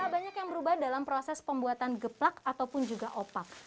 banyak yang berubah dalam proses pembuatan geplak ataupun juga opak